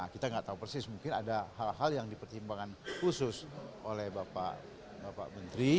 kita nggak tahu persis mungkin ada hal hal yang dipertimbangkan khusus oleh bapak menteri